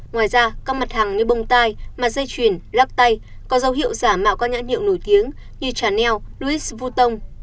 ngoài ra các mặt hàng như bông tai mặt dây chuyển lắp tay có dấu hiệu giả mạo các nhãn hiệu nổi tiếng như chanel louis vuitton